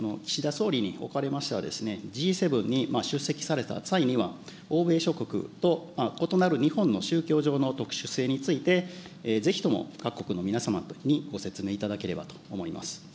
総理におかれましてはですね、Ｇ７に出席された際には、欧米諸国と異なる日本の宗教上の特殊性について、ぜひとも各国の皆様にご説明いただければと思います。